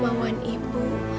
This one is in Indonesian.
nama suami ibu